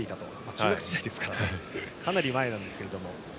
中学時代なのでかなり前なんですけれども。